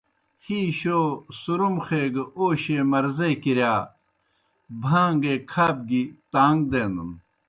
ہی شو، سُرُمخے گہ اوشیْئے مرضے کِرِیا بھان٘گے کھاپ گیْ تان٘گ دینَن۔